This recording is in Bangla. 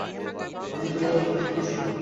আমি তোমার জন্য খুব খুশী।